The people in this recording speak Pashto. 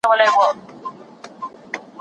په تېره پېړۍ کې تاریخ د ایډیالوژۍ ښکار سو.